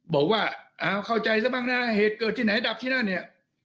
บอกว่าเอาเข้าใจซะบ้างนะเหตุเกิดที่ไหนดับที่นั่นเนี่ย